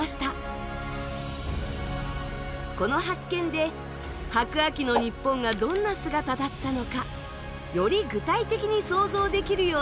この発見で白亜紀の日本がどんな姿だったのかより具体的に想像できるようになりました。